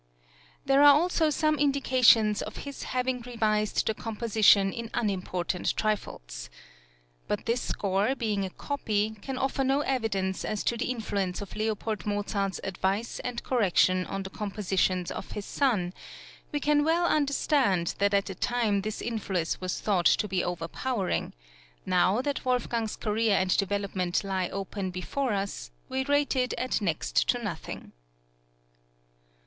There are also some indications of his having revised the composition in unimportant trifles. But this score, being a copy, can offer no evidence as to the influence of L. Mozart's advice and corrections on the compositions of his son; we can well understand that at the time this influence was thought to be overpowering; now that Wolfgang's career and development lie open before us, we rate it at next to nothing.